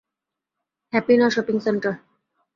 হ্যাপিনা shopping centre.